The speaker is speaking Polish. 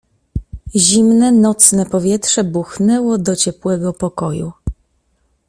"Zimne nocne powietrze buchnęło do ciepłego pokoju."